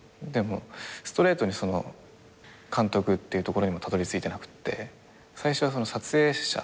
ストレートに監督っていうところにもたどり着いてなくって最初は撮影者。